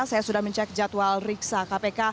saya sudah mencek jadwal riksa kpk